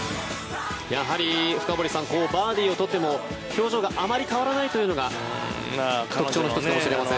やはり深堀さんバーディーを取っても表情があまり変わらないというのが特徴の１つかもしれません。